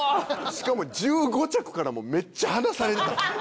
しかも１５着からもめっちゃ離されてたんですよ。